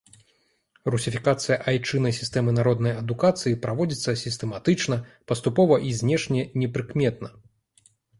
Русіфікацыя айчыннай сістэмы народнай адукацыі праводзіцца сістэматычна, паступова і знешне непрыкметна.